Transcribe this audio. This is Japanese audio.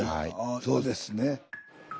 そうですね。